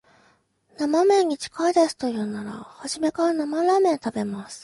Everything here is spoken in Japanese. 生めんに近いですと言うなら、初めから生ラーメン食べます